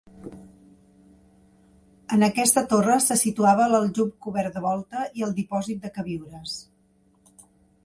En aquesta torre se situava l'aljub cobert de volta i el dipòsit de queviures.